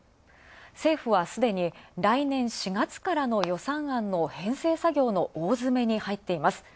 政府はすでに来年４月からの予算案の作業の大詰めに入っています。